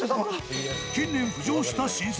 近年浮上した新説。